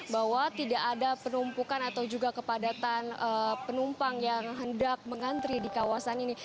bahwa tidak ada penumpukan atau juga kepadatan penumpang yang hendak mengantri di kawasan ini